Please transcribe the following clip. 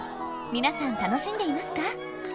皆さん楽しんでいますか？